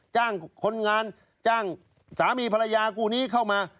จ้างคนงานจ้างสามีภรรยาคู่นี้เข้ามา